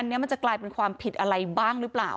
อันนี้มันจะกลายเป็นความผิดอะไรบ้างหรือเปล่า